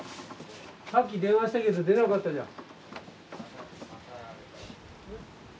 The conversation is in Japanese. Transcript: さっき電話したけど出なかったじゃん。